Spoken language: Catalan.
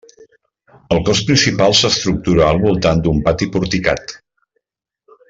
El cos principal s'estructura al voltant d'un pati porticat.